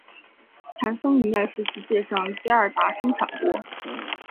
坦桑尼亚是世界上第二大生产国。